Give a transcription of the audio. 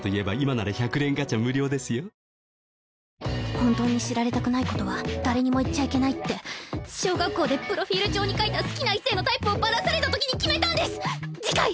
本当に知られたくないことは誰にも言っちゃいけないって小学校でプロフィール帳に書いた好きな異性のタイプをばらされたときに決めたんです！